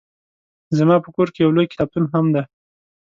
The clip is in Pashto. زما په کور کې يو لوی کتابتون هم دی